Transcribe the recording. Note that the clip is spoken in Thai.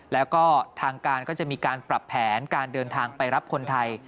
แล้วก็ทางการก็จะมีการปรับแผนการเดินทางไปรับคนไทย